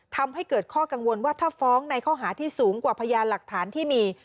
ทำให้เกิดข้อกังวลว่าถ้าฟ้องในข้อหาที่สูงกว่าพยานหลักฐานที่มี